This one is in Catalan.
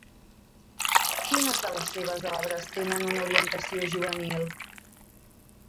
Quines de les seves obres tenen una orientació juvenil?